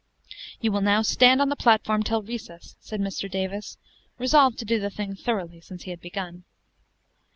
"You will now stand on the platform till recess," said Mr. Davis, resolved to do the thing thoroughly, since he had begun.